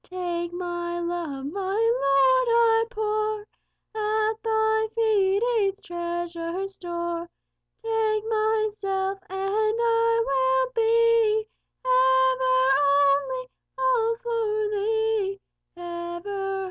Take my love; my Lord, I pour At Thy feet its treasure store. Take myself, and I will be Ever, only, ALL for Thee. CHAPTER I.